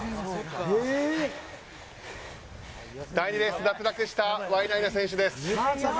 第２レース脱落したワイナイナ選手です。